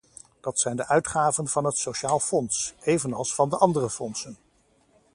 Dat zijn de uitgaven van het sociaal fonds, evenals van de andere fondsen.